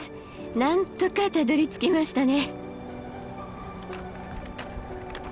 なんとかたどりつきましたね。